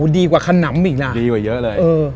ดีกว่าขนำอีกนะดีกว่าเยอะเลย